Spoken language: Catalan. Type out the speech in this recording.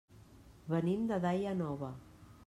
Venim de Daia Nova.